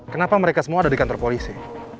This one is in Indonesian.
kenapa mereka semua ada di kantor polisi